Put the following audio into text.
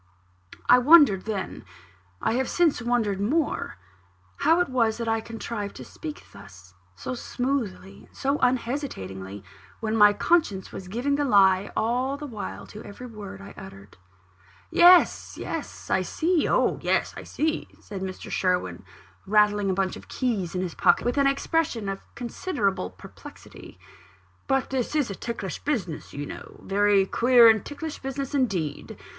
I wondered then I have since wondered more how it was that I contrived to speak thus, so smoothly and so unhesitatingly, when my conscience was giving the lie all the while to every word I uttered. "Yes, yes; I see oh, yes, I see!" said Mr. Sherwin, rattling a bunch of keys in his pocket, with an expression of considerable perplexity; "but this is a ticklish business, you know a very queer and ticklish business indeed.